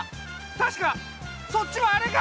たしかそっちはあれが！